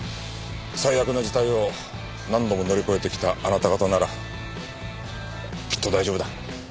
最悪の事態を何度も乗り越えてきたあなた方ならきっと大丈夫だ。